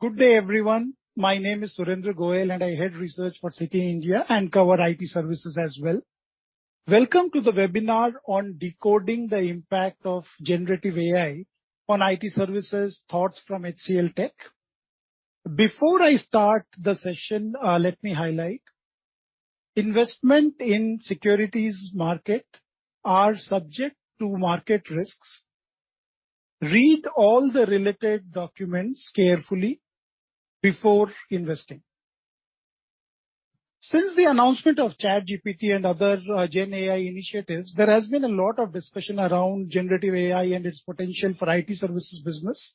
Good day, everyone. My name is Surendra Goyal, and I head Research for Citi India and cover IT services as well. Welcome to the Webinar on Decoding the Impact of Generative AI on IT Services—thoughts from HCLTech. Before I start the session, let me highlight: investment in securities markets are subject to market risks. Read all the related documents carefully before investing. Since the announcement of ChatGPT and other GenAI initiatives, there has been a lot of discussion around generative AI and its potential for IT services business.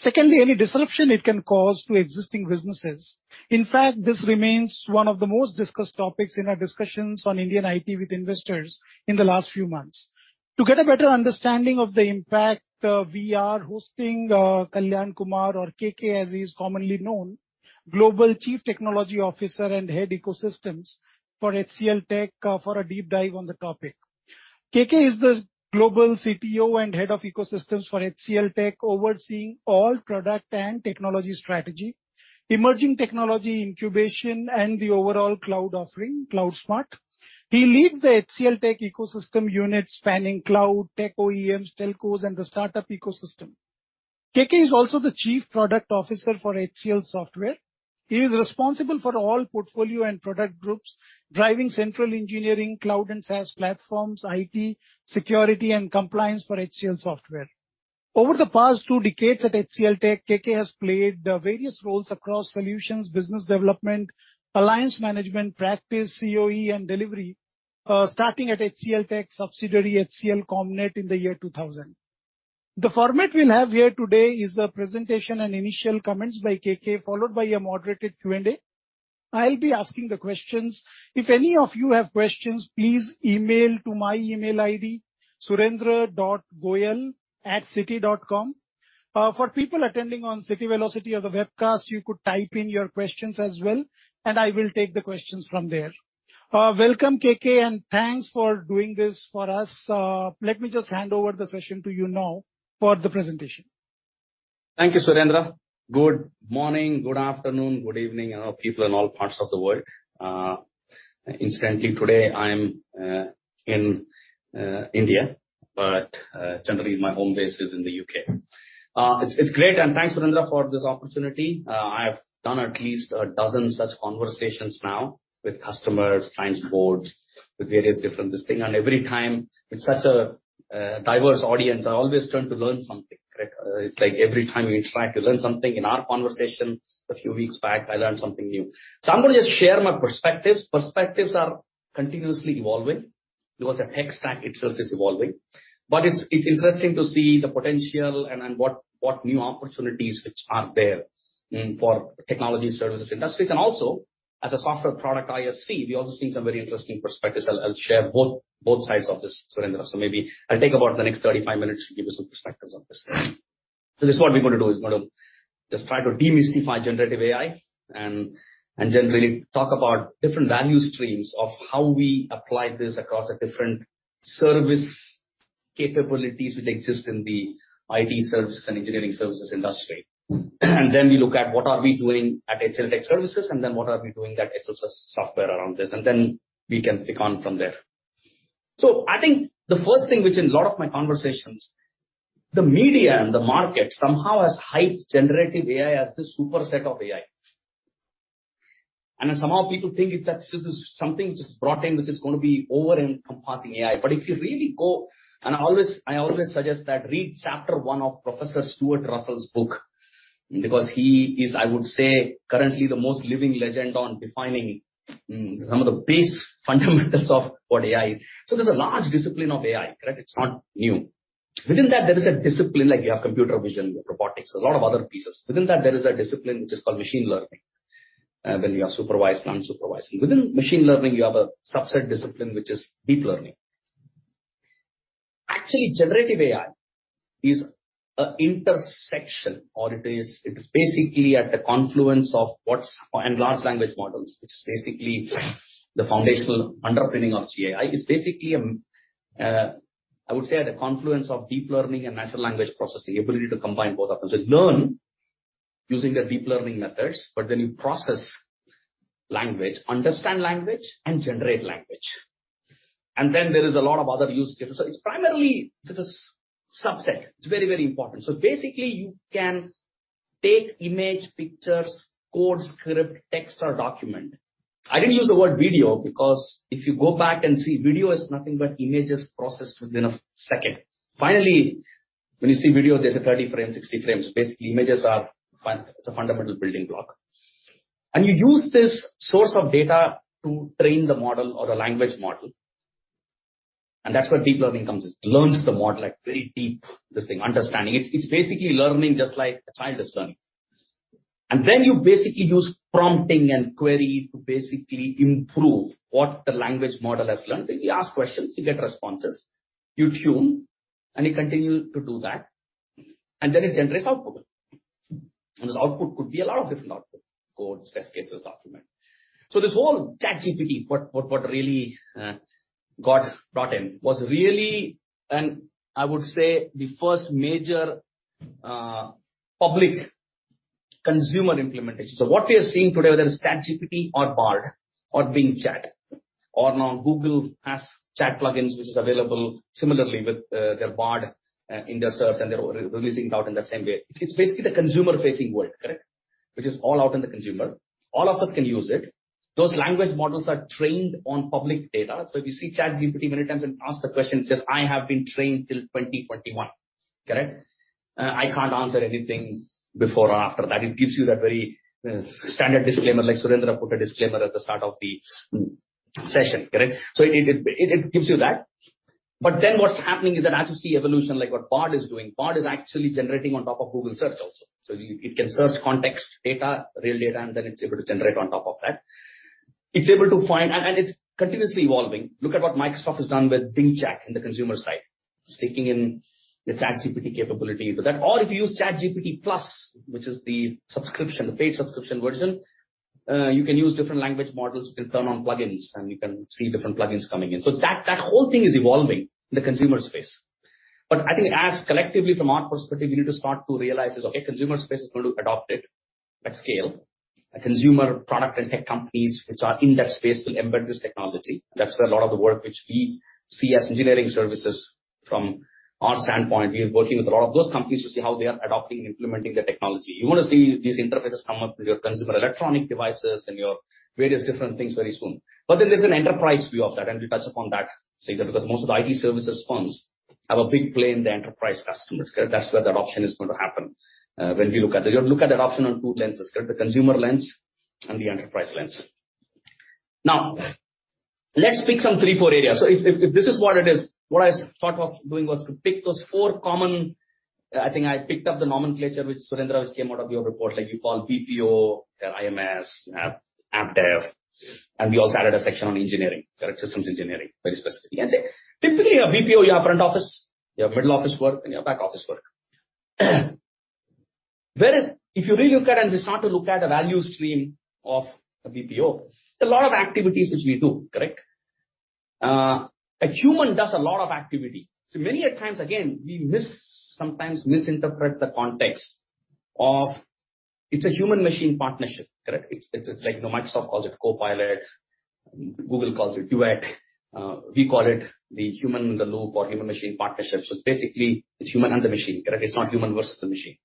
Secondly, any disruption it can cause to existing businesses. In fact, this remains one of the most discussed topics in our discussions on Indian IT with investors in the last few months. To get a better understanding of the impact, we are hosting Kalyan Kumar, or KK, as he is commonly known, Global Chief Technology Officer and Head Ecosystems for HCLTech, for a deep dive on the topic. KK is the Global CTO and Head of Ecosystems for HCLTech, overseeing all product and technology strategy, emerging technology incubation, and the overall cloud offering, CloudSMART. He leads the HCLTech ecosystem unit spanning cloud, tech OEMs, telcos, and the startup ecosystem. KK is also the Chief Product Officer for HCLSoftware. He is responsible for all portfolio and product groups, driving central engineering, cloud and SaaS platforms, IT security, and compliance for HCLSoftware. Over the past two decades at HCLTech, KK has played various roles across solutions, business development, alliance management practice, COE, and delivery, starting at HCLTech subsidiary, HCL Comnet in the year 2000. The format we'll have here today is a presentation and initial comments by KK, followed by a moderated Q&A. I'll be asking the questions. If any of you have questions, please email to my email ID, surendra.goyal@citi.com. For people attending on Citi Velocity or the webcast, you could type in your questions as well, and I will take the questions from there. Welcome, KK, and thanks for doing this for us. Let me just hand over the session to you now for the presentation. Thank you, Surendra. Good morning, good afternoon, good evening, and all people in all parts of the world. Incidentally, today I'm in India, but generally, my home base is in the U.K. It's great, and thanks, Surendra, for this opportunity. I've done at least a dozen such conversations now with customers, clients, boards, with various different things. Every time, with such a diverse audience, I always turn to learn something. It's like every time you try to learn something in our conversation, a few weeks back, I learned something new. I'm going to just share my perspectives. Perspectives are continuously evolving because the tech stack itself is evolving. It's interesting to see the potential and what new opportunities which are there for technology services industries. Also, as a software product ISV, we also see some very interesting perspectives. I'll share both sides of this, Surendra. Maybe I'll take about the next 35 minutes to give you some perspectives on this. This is what we're going to do. We're going to just try to demystify generative AI and generally talk about different value streams of how we apply this across different service capabilities which exist in the IT services and engineering services industry. Then we look at what are we doing at HCLTech services, and then what are we doing at HCLSoftware around this. Then we can pick on from there. I think the first thing which in a lot of my conversations, the media and the market somehow has hyped generative AI as this super set of AI. Somehow people think it's just something just brought in which is going to be over-encompassing AI. If you really go, and I always suggest that, read chapter one of Professor Stuart Russell's book because he is, I would say, currently the most living legend on defining some of the base fundamentals of what AI is. There is a large discipline of AI, correct? It's not new. Within that, there is a discipline like you have computer vision, robotics, a lot of other pieces. Within that, there is a discipline which is called machine learning, then we have supervised and unsupervised. Within machine learning, you have a subset discipline which is deep learning. Actually, generative AI is an intersection, or it is basically at the confluence of what's in large language models, which is basically the foundational underpinning of GenAI. It's basically, I would say, at the confluence of deep learning and natural language processing, ability to combine both of them. Learn using the deep learning methods, but then you process language, understand language, and generate language. There is a lot of other use cases. It is primarily just a subset. It is very, very important. Basically, you can take image, pictures, code, script, text, or document. I did not use the word video because if you go back and see, video is nothing but images processed within a second. Finally, when you see video, there is a 30 frame, 60 frames. Basically, images are the fundamental building block. You use this source of data to train the model or the language model. That is where deep learning comes in. It learns the model like very deep, this thing, understanding. It is basically learning just like a child is learning. You basically use prompting and query to basically improve what the language model has learned. You ask questions, you get responses. You tune, and you continue to do that. It generates output. The output could be a lot of different outputs: codes, test cases, documents. This whole ChatGPT, what really got brought in, was really, I would say, the first major public consumer implementation. What we are seeing today, whether it's ChatGPT or Bard or Bing Chat, or now Google has chat plugins which are available similarly with their Bard in their search and they're releasing out in that same way. It's basically the consumer-facing world, correct, which is all out in the consumer. All of us can use it. Those language models are trained on public data. If you see ChatGPT many times and ask a question, it says, "I have been trained till 2021," correct? I can't answer anything before or after that. It gives you that very standard disclaimer, like Surendra put a disclaimer at the start of the session, correct? It gives you that. What is happening is that as you see evolution, like what Bard is doing, Bard is actually generating on top of Google Search also. It can search context data, real data, and then it is able to generate on top of that. It is able to find, and it is continuously evolving. Look at what Microsoft has done with Bing Chat and the consumer side, sticking in the ChatGPT capability into that. If you use ChatGPT Plus, which is the subscription, the paid subscription version, you can use different language models, you can turn on plugins, and you can see different plugins coming in. That whole thing is evolving in the consumer space. I think as collectively from our perspective, you need to start to realize is, okay, consumer space is going to adopt it at scale. Consumer product and tech companies which are in that space will embed this technology. That's where a lot of the work which we see as engineering services from our standpoint. We are working with a lot of those companies to see how they are adopting and implementing the technology. We want to see these interfaces come up with your consumer electronic devices and your various different things very soon. There is an enterprise view of that, and we touch upon that because most of the IT services funds have a big play in the enterprise customers. That's where the adoption is going to happen when we look at that. You'll look at the adoption on two lenses, the consumer lens and the enterprise lens. Now, let's pick some three, four areas. If this is what it is, what I thought of doing was to pick those four common. I think I picked up the nomenclature which Surendra came out of your report, like you call BPO, IMS, AppDev, and we also added a section on engineering, systems engineering, very specific. You can say typically a BPO, you have front office, you have middle office work, and you have back office work. If you really look at and start to look at the value stream of a BPO, there's a lot of activities which we do, correct? A human does a lot of activity. Many times, again, we sometimes misinterpret the context of it's a human-machine partnership, correct? It's like Microsoft calls it Copilot, Google calls it Duet. We call it the human-in-the-loop or human-machine partnership. It is basically human and the machine, correct? It is not human versus the machine.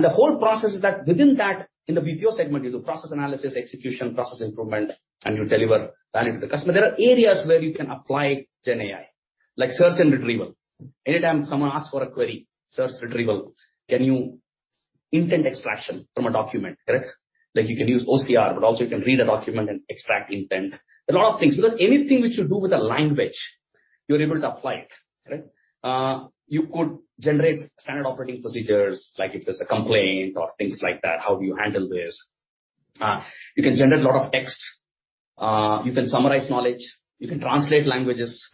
The whole process is that within that, in the BPO segment, you do process analysis, execution, process improvement, and you deliver value to the customer. There are areas where you can apply GenAI, like search and retrieval. Anytime someone asks for a query, search retrieval, can you intent extraction from a document, correct? Like you can use OCR, but also you can read a document and extract intent. A lot of things. Because anything which you do with a language, you are able to apply it, correct? You could generate standard operating procedures, like if there is a complaint or things like that, how do you handle this? You can generate a lot of text. You can summarize knowledge. You can translate languages.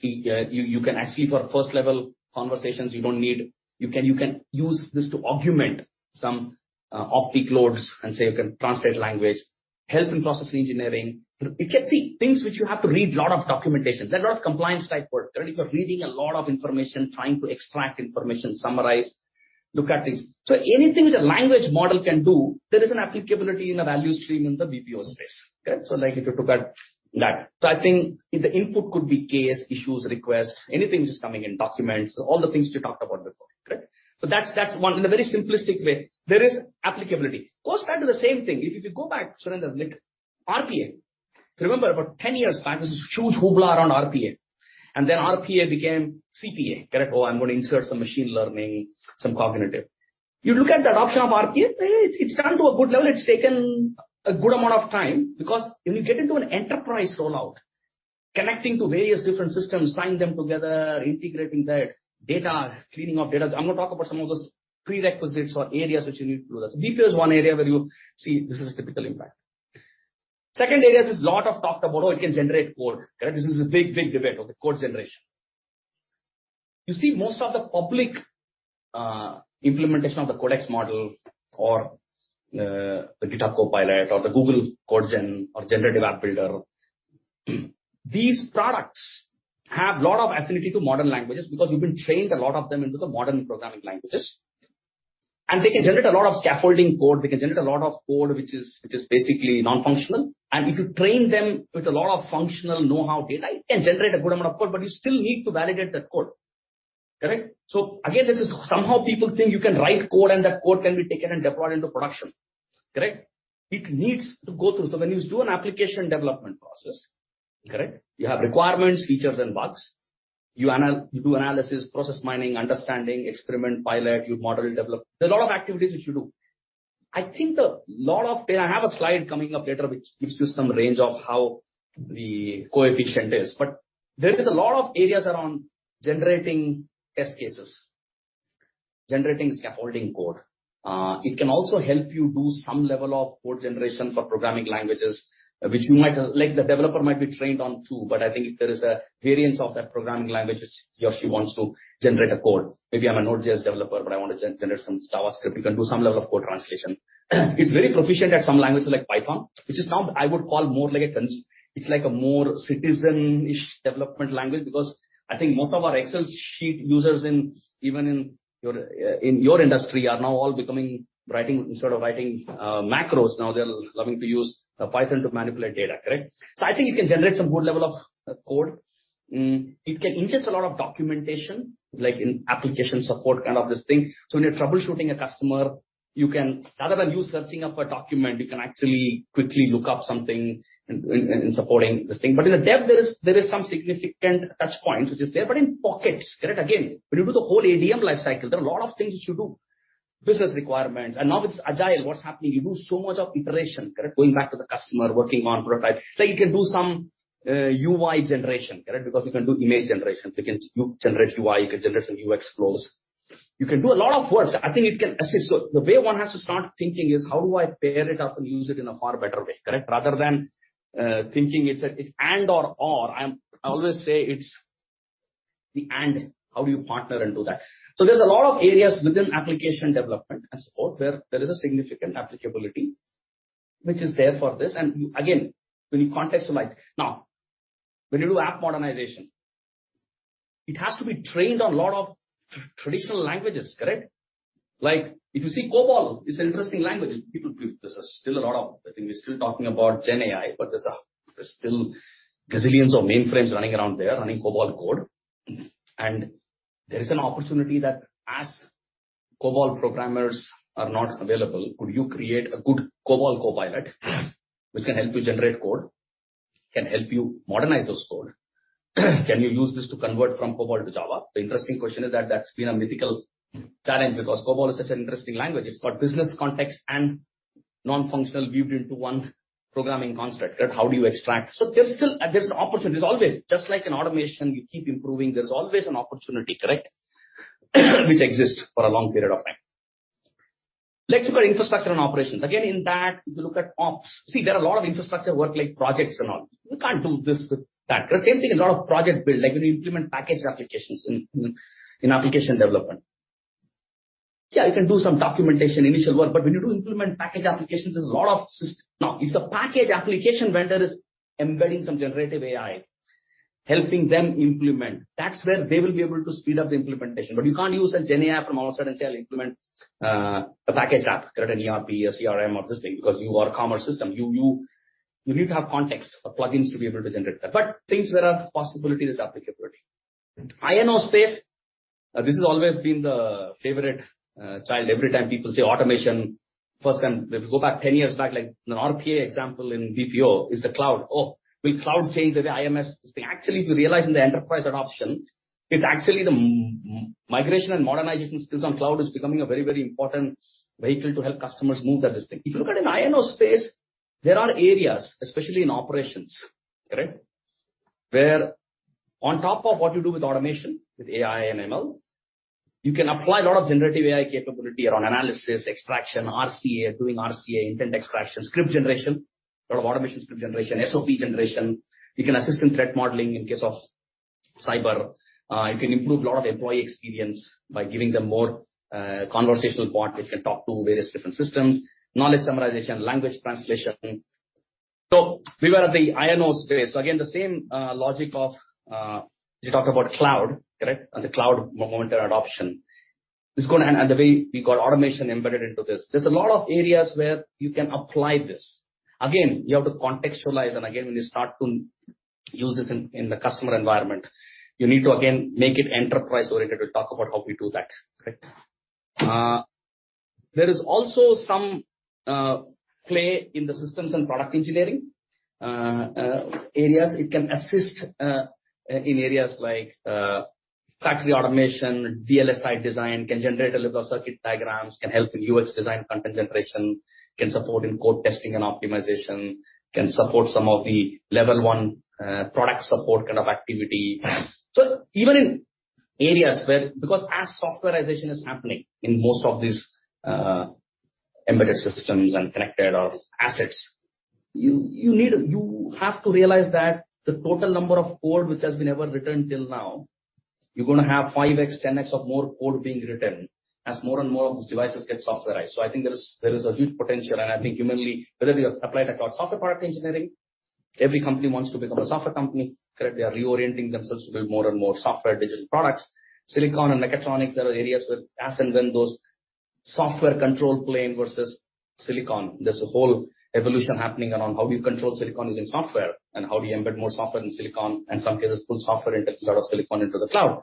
You can actually, for first-level conversations, you don't need, you can use this to augment some off-peak loads and say you can translate language, help in process engineering. You can see things which you have to read a lot of documentation, a lot of compliance-type work, correct? You're reading a lot of information, trying to extract information, summarize, look at things. Anything which a language model can do, there is an applicability in a value stream in the BPO space, correct? I'd like you to look at that. I think the input could be case, issues, requests, anything which is coming in, documents, all the things we talked about before, correct? That's one in a very simplistic way. There is applicability. Goes back to the same thing. If you go back, Surendra, RPA. Remember, about 10 years back, there was a huge hoopla around RPA. RPA became CPA, correct? Oh, I'm going to insert some machine learning, some cognitive. You look at the adoption of RPA, it's done to a good level. It's taken a good amount of time because when you get into an enterprise rollout, connecting to various different systems, tying them together, integrating that data, cleaning up data, I'm going to talk about some of those prerequisites or areas which you need to do that. BPO is one area where you see this is a typical impact. Second area is a lot of talk about, oh, it can generate code, correct? This is a big, big debate, okay, code generation. You see most of the public implementation of the Codex model or the GitHub Copilot or the Google code gen or Gen App Builder. These products have a lot of affinity to modern languages because you've been trained a lot of them into the modern programming languages. They can generate a lot of scaffolding code. They can generate a lot of code which is basically non-functional. If you train them with a lot of functional know-how data, it can generate a good amount of code, but you still need to validate that code, correct? This is somehow people think you can write code and that code can be taken and deployed into production, correct? It needs to go through. When you do an application development process, correct. You have requirements, features, and bugs. You do analysis, process mining, understanding, experiment, pilot, you model, develop. There are a lot of activities which you do. I think a lot of data, I have a slide coming up later which gives you some range of how the coefficient is. There is a lot of areas around generating test cases, generating scaffolding code. It can also help you do some level of code generation for programming languages, which you might, like the developer might be trained on too, but I think there is a variance of that programming language which he or she wants to generate a code. Maybe I'm an old JS developer, but I want to generate some JavaScript. You can do some level of code translation. It's very proficient at some languages like Python, which is now, I would call more like a, it's like a more citizen-ish development language because I think most of our Excel sheet users in even in your industry are now all becoming writing, instead of writing macros, now they're loving to use Python to manipulate data, correct? I think it can generate some good level of code. It can ingest a lot of documentation, like in application support, kind of this thing. When you're troubleshooting a customer, you can, rather than you searching up a document, you can actually quickly look up something in supporting this thing. In the dev, there is some significant touch points which is there, but in pockets, correct? Again, when you do the whole ADM lifecycle, there are a lot of things which you do. Business requirements, and now with Agile, what's happening? You do so much of iteration, correct? Going back to the customer, working on prototype. You can do some UI generation, correct? Because we can do image generation. You can generate UI, you can generate some UX flows. You can do a lot of work. I think it can assist. The way one has to start thinking is, how do I pair it up and use it in a far better way, correct? Rather than thinking it's an and or or, I always say it's the and. How do you partner and do that? There's a lot of areas within application development and support where there is a significant applicability which is there for this. Again, when you contextualize, now, when you do app modernization, it has to be trained on a lot of traditional languages, correct? Like if you see COBOL, it's an interesting language. People, there's still a lot of, I think we're still talking about GenAI, but there's still gazillions of mainframes running around there, running COBOL code. There is an opportunity that as COBOL programmers are not available. Could you create a good COBOL Copilot which can help you generate code, can help you modernize those code? Can you use this to convert from COBOL to Java? The interesting question is that that's been a mythical challenge because COBOL is such an interesting language. It's got business context and non-functional weaved into one programming construct, correct? How do you extract? There's still, there's an opportunity. There's always, just like in automation, you keep improving, there's always an opportunity, correct? Which exists for a long period of time. Let's look at infrastructure and operations. Again, in that, if you look at ops, see there are a lot of infrastructure work like projects and all. You can't do this with that, correct? Same thing in a lot of project build, like when you implement package applications in application development. Yeah, you can do some documentation, initial work, but when you do implement package applications, there's a lot of system. Now, if the package application vendor is embedding some generative AI, helping them implement, that's where they will be able to speed up the implementation. You can't use a GenAI from outside and say, "I'll implement a package app," correct? An ERP, a CRM, or this thing because you are a commerce system. You need to have context or plugins to be able to generate that. Things where there are possibility is applicability. InnoSpace, this has always been the favorite child. Every time people say automation, first time, if you go back 10 years back, like the RPA example in BPO, is the cloud. Oh, will cloud change the way IMS? Actually, if you realize in the enterprise adoption, it's actually the migration and modernization skills on cloud is becoming a very, very important vehicle to help customers move that this thing. If you look at an InnoSpace, there are areas, especially in operations, correct? Where on top of what you do with automation, with AI and ML, you can apply a lot of generative AI capability around analysis, extraction RCA, doing RCA, intent extraction, script generation, a lot of automation script generation, SOP generation. You can assist in threat modeling in case of cyber. You can improve a lot of employee experience by giving them more conversational parts. They can talk to various different systems, knowledge summarization, language translation. We were at the InnoSpace, again, the same logic of you talk about cloud, correct? The cloud momentary option is going to, and the way we got automation embedded into this. There are a lot of areas where you can apply this. Again, you have to contextualize. When you start to use this in the customer environment, you need to make it enterprise-oriented to talk about how we do that, correct? There is also some play in the systems and product engineering areas. It can assist in areas like factory automation, VLSI design, can generate a little circuit diagrams, can help with UX design, content generation, can support in code testing and optimization. Can support some of the level one product support kind of activity. Even in areas where, because as softwarization is happening in most of these embedded systems and connected assets. You have to realize that the total number of code which has been ever written till now, you're going to have 5x, 10x of more code being written as more and more of these devices get softwarized. I think there is a huge potential. I think humanly, whether you apply it to software product engineering, every company wants to become a software company, correct? They are reorienting themselves to build more and more software digital products. Silicon and mechatronic, there are areas where as and when those software control plane versus silicon. There's a whole evolution happening around how we control silicon using software and how do you embed more software in silicon and in some cases put software instead of silicon into the cloud.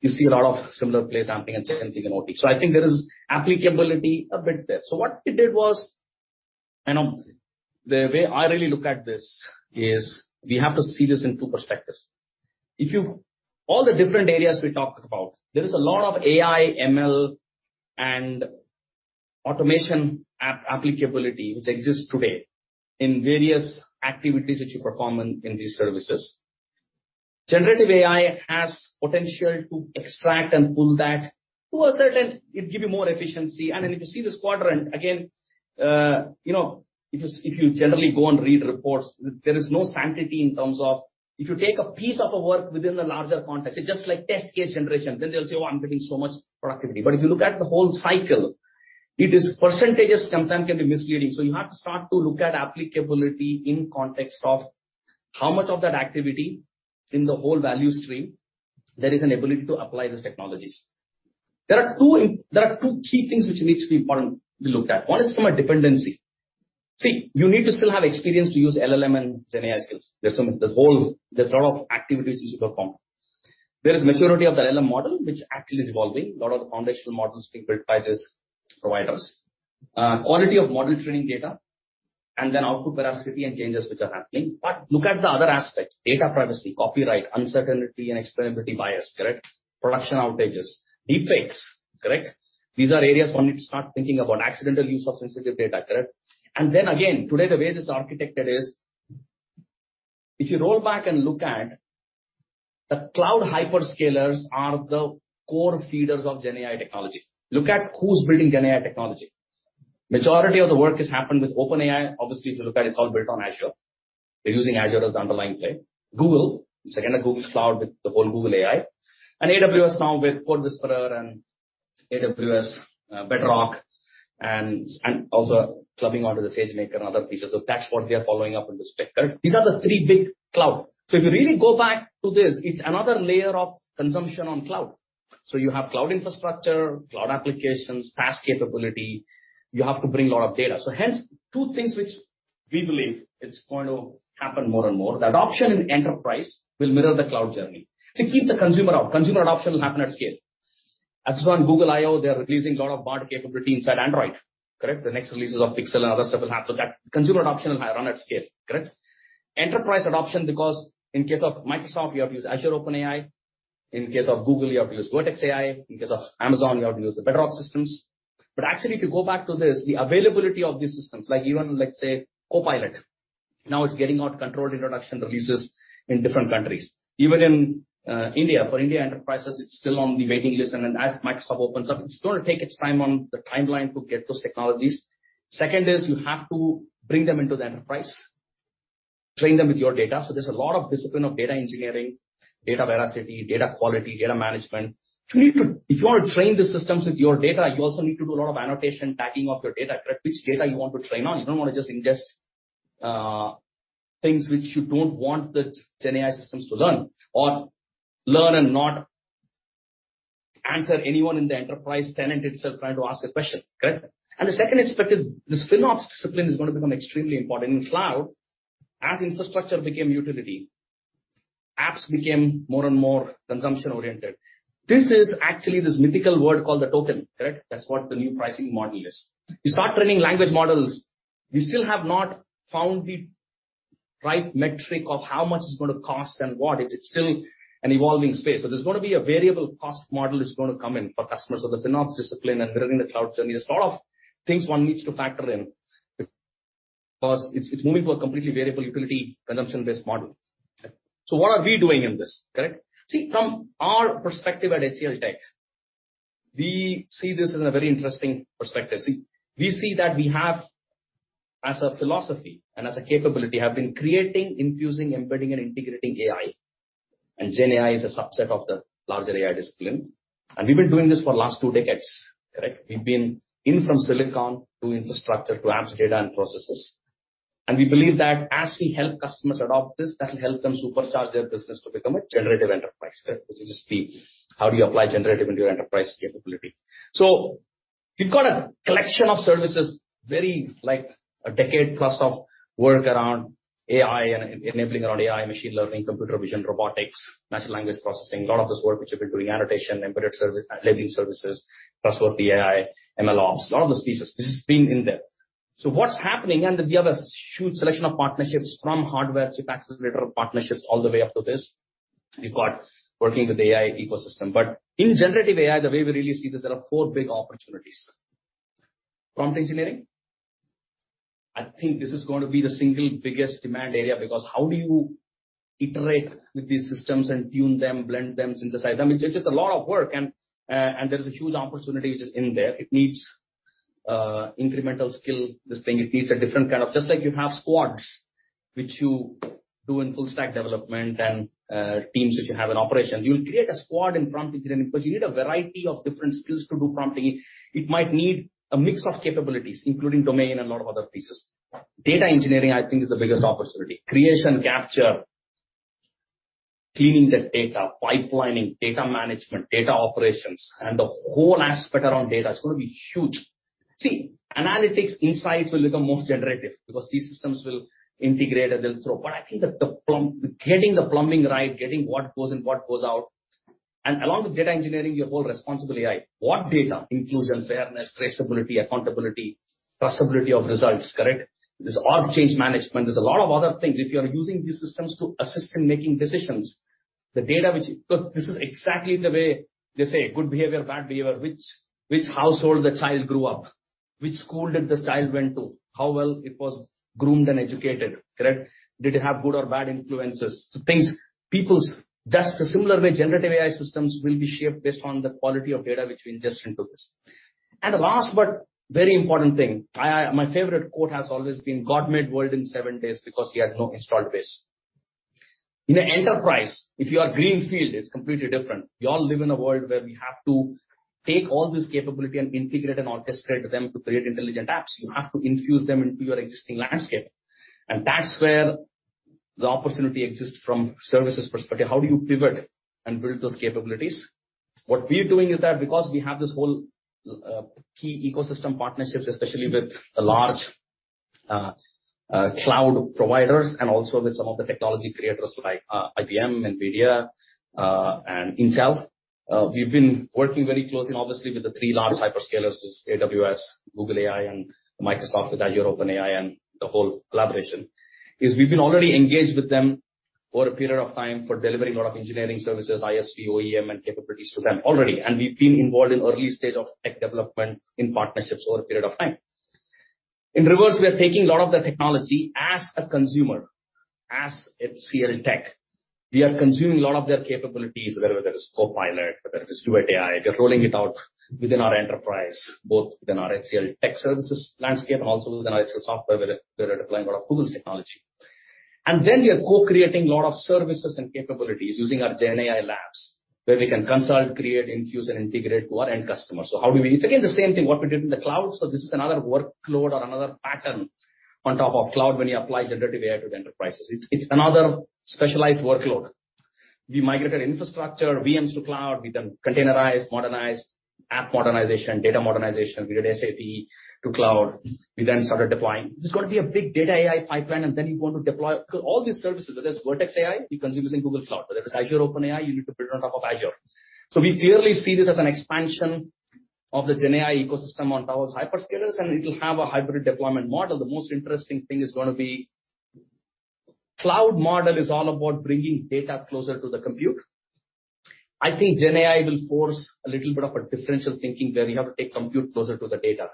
You see a lot of similar plays happening and same thing in OT. I think there is applicability a bit there. What we did was, and the way I really look at this is we have to see this in two perspectives. If you all the different areas we talked about, there is a lot of AI, ML, and automation applicability which exists today in various activities which you perform in these services. Generative AI has potential to extract and pull that to a certain, it gives you more efficiency. If you see this quadrant, again, you know if you generally go and read reports, there is no sanctity in terms of if you take a piece of a work within the larger context, it's just like test case generation. Then they'll say, "Oh, I'm getting so much productivity." If you look at the whole cycle, percentages sometimes can be misleading. You have to start to look at applicability in context of how much of that activity in the whole value stream there is an ability to apply these technologies. There are two key things which need to be important to be looked at. One is from a dependency. See, you need to still have experience to use LLM and GenAI skills. There's a whole, there's a lot of activity which you perform. There is maturity of the LLM model, which actually is evolving. A lot of contextual models being built by these providers. Quality of model training data, and then output perversity and changes which are happening. Look at the other aspects, data privacy, copyright, uncertainty and explainability bias, correct? Production outages, deepfakes, correct? These are areas one needs to start thinking about accidental use of sensitive data, correct? And the again, today, the way this is architected is, if you roll back and look at the cloud hyperscalers are the core feeders of GenAI technology. Look at who's building GenAI technology. Majority of the work has happened with OpenAI. Obviously, if you look at it, it's all built on Azure. They're using Azure as the underlying play. Google, again, a Google Cloud with the whole Google AI, and AWS now with CodeWhisperer and AWS Bedrock and also clubbing onto the SageMaker and other pieces. Fast forward, that is what they are following up on the spectrum. These are the 3 big cloud. If you really go back to this, it is another layer of consumption on cloud. You have cloud infrastructure, cloud applications, task capability. You have to bring a lot of data. Hence, two things which we believe are going to happen more and more. The adoption in enterprise will mirror the cloud journey. It keeps the consumer out. Consumer adoption will happen at scale. As is on Google I/O, they are releasing a lot of Bard capability inside Android, correct? The next releases of Pixel and other stuff will have. That consumer adoption will run at scale, correct? Enterprise adoption, because in case of Microsoft, you have to use Azure OpenAI. In case of Google, you have to use Vertex AI. In case of Amazon, you have to use the Bedrock systems. Actually, if you go back to this, the availability of these systems, like even let's say Copilot, now it's getting out controlled introduction releases in different countries. Even in India. For India enterprises, it's still on the waiting list. As Microsoft opens up, it's going to take its time on the timeline to get those technologies. Second is you have to bring them into the enterprise. Train them with your data. There is a lot of discipline of data engineering, data veracity, data quality, data management. If you want to train the systems with your data, you also need to do a lot of annotation, tagging of your data, correct? Which data you want to train on. You don't want to just ingest things which you don't want the GenAI systems to learn or learn and not answer anyone in the enterprise tenant itself trying to ask a question, correct? The second aspect is this FinOps discipline is going to become extremely important in cloud as infrastructure became utility. Apps became more and more consumption-oriented. This is actually this mythical word called the token, correct? That's what the new pricing model is. You start training language models. You still have not found the right metric of how much it's going to cost and what. It's still an evolving space. There's going to be a variable cost model that's going to come in for customers. The FinOps discipline and building the cloud journey, there's a lot of things one needs to factor in because it's moving to a completely variable utility consumption-based model. What are we doing in this, correct? See, from our perspective at HCLTech, we see this as a very interesting perspective. See, we see that we have, as a philosophy and as a capability, have been creating, infusing, embedding, and integrating AI. GenAI is a subset of the larger AI discipline. We have been doing this for the last two decades, correct? We have been in from silicon to infrastructure to apps, data, and processes. We believe that as we help customers adopt this, that will help them supercharge their business to become a generative enterprise, correct? Which is just the how do you apply generative into your enterprise capability. We have got a collection of services, very like a decade plus of work around AI and enabling around AI, machine learning, computer vision, robotics, natural language processing, a lot of this work which we have been doing, annotation, embedded saving services, trustworthy AI, MLOps, a lot of these pieces. This has been in depth. What is happening and the other huge collection of partnerships from hardware chip accelerator partnerships all the way up to this. We have got working with the AI ecosystem. In generative AI, the way we really see this, there are four big opportunities. Prompt engineering? I think this is going to be the single biggest demand area because how do you iterate with these systems and tune them, blend them, synthesize them? It is a lot of work. There is a huge opportunity which is in there. It needs incremental skill, this thing. It needs a different kind of, just like you have squads, which you do in full stack development and teams which you have in operations. You'll create a squad in prompt engineering because you need a variety of different skills to do prompting. It might need a mix of capabilities, including domain and a lot of other pieces. Data engineering, I think, is the biggest opportunity. Creation, capture, cleaning the data, pipelining, data management, data operations, and the whole aspect around data is going to be huge. See, analytics, insights will become most generative because these systems will integrate and they'll throw. I think that the plumbing, getting the plumbing right, getting what goes in, what goes out. Along with data engineering, you have all responsible AI. What data, inclusion, fairness, traceability, accountability, trustability of results, correct? This out of change management. There's a lot of other things. If you are using these systems to assist in making decisions, the data which, look, this is exactly the way they say good behavior, bad behavior, which household the child grew up, which school did the child went to, how well it was groomed and educated, correct? Did it have good or bad influences? Things, people, just the similar way generative AI systems will be shaped based on the quality of data which we ingest into this. The last but very important thing, my favorite quote has always been, "God made world in seven days because he had no installed base." In an enterprise, if you are greenfield, it's completely different. You all live in a world where we have to take all this capability and integrate and orchestrate them to create intelligent apps. You have to infuse them into your existing landscape. That is where the opportunity exists from a services perspective. How do you pivot and build those capabilities? What we are doing is that because we have this whole key ecosystem partnerships, especially with the large cloud providers and also with some of the technology creators like IBM, NVIDIA, and Intel. We have been working very closely, obviously, with the three large hyperscalers, which is AWS, Google AI, and Microsoft with Azure OpenAI and the whole collaboration. We have been already engaged with them for a period of time for delivering a lot of engineering services, ISV, OEM, and capabilities for them already. We have been involved in early stage of tech development in partnerships over a period of time. In reverse, we are taking a lot of the technology as a consumer, as HCLTech. We are consuming a lot of their capabilities, whether it's Copilot, whether it's Duet AI, we're rolling it out within our enterprise, both within our HCLTech services landscape and also within our HCLSoftware, where we're deploying a lot of Google technology. We are co-creating a lot of services and capabilities using our GenAI labs, where we can consult, create, infuse, and integrate to our end customers. How do we, it's again the same thing what we did in the cloud. This is another workload or another pattern on top of cloud when you apply generative AI to the enterprises. It's another specialized workload. We migrated infrastructure, VMs to cloud. We then containerized, modernized, app modernization, data modernization. We did SAP to cloud. We then started deploying. There's going to be a big data AI pipeline, and then you want to deploy all these services. Whether it's Vertex AI, we consume this in Google Cloud. Whether it's Azure OpenAI, you need to build on top of Azure. We clearly see this as an expansion of the GenAI ecosystem on top of hyperscalers, and it'll have a hybrid deployment model. The most interesting thing is going to be, cloud model is all about bringing data closer to the compute. I think GenAI will force a little bit of a differential thinking where you have to take compute closer to the data.